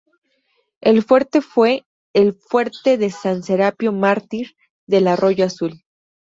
El fuerte fue el "Fuerte de San Serapio Mártir del arroyo Azul".